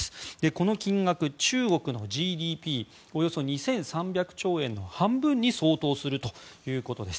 この金額、中国のＧＤＰおよそ２３００兆円の半分に相当するということです。